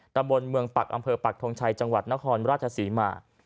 ตำบลเมืองปักอำเภอปักทงชัยจังหวัดนครราชศรีมา